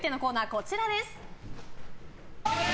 こちらです。